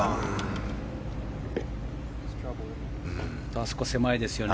あそこ狭いですよね。